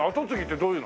どういうの？